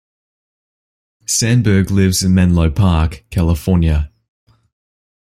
Sandberg lives in Menlo Park, California.